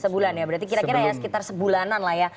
sebulan ya berarti kira kira ya sekitar sebulanan lah ya